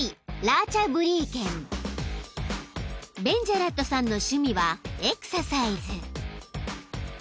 ［ベンジャラットさんの趣味はエクササイズ］